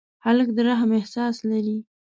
هلک د رحم احساس لري.